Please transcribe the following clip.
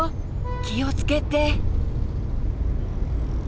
気を付けて。